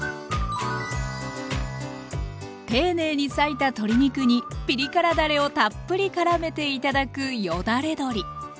丁寧に裂いた鶏肉にピリ辛だれをたっぷりからめて頂くよだれ鶏。